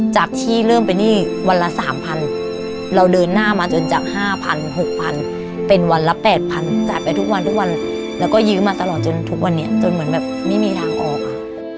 จากที่เริ่มเป็นหนี้วันละ๓๐๐เราเดินหน้ามาจนจาก๕๐๐๖๐๐เป็นวันละ๘๐๐๐จ่ายไปทุกวันทุกวันแล้วก็ยื้อมาตลอดจนทุกวันนี้จนเหมือนแบบไม่มีทางออกค่ะ